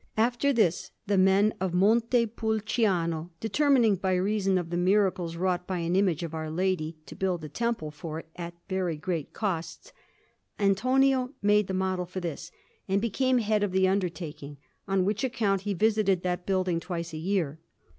After this, the men of Montepulciano determining, by reason of the miracles wrought by an image of Our Lady, to build a temple for it at very great cost, Antonio made the model for this, and became head of the undertaking; on which account he visited that building twice a year.